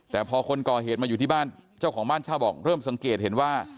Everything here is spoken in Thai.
แต่พอคนก่อเหตุมาอยู่ที่บ้านเจ้าของบ้านเช่าบอกเริ่มสังเกตเห็นว่า